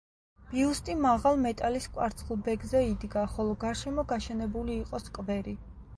ბიუსტი მაღალ მეტალის კვარცხლბეკზე იდგა, ხოლო გარშემო გაშენებული იყო სკვერი.